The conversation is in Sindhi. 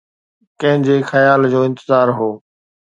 ڪنهن جي خيال جو انتظار هو؟